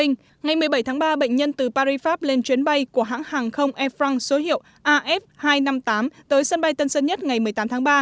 ngày một mươi bảy tháng ba bệnh nhân từ paris pháp lên chuyến bay của hãng hàng không air france số hiệu af hai trăm năm mươi tám tới sân bay tân sơn nhất ngày một mươi tám tháng ba